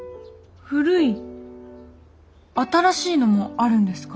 新しいのもあるんですか？